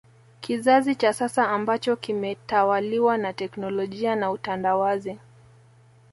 Kizazi cha sasa ambacho kimetawaliwa na teknolojia na utandawazi